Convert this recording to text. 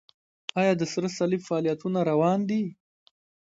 آیا د سره صلیب فعالیتونه روان دي؟